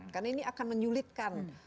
karena ini akan menyulitkan